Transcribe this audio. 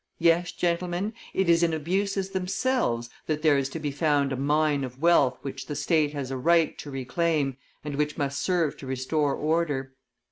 Yes, gentlemen, it is in abuses themselves that there is to be found a mine of wealth which the state has a right to reclaim and which must serve to restore order.